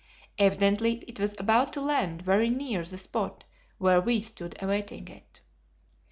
Evidently it was about to land very near the spot where we stood awaiting it.